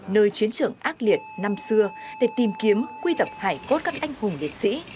nơi chiến trường ác liệt năm xưa để tìm kiếm quy tập hải cốt các anh hùng liệt sĩ